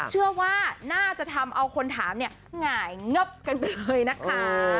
เชื่อว่าน่าจะทำเอาคนถามเนี่ยหงายเงิบกันไปเลยนะคะ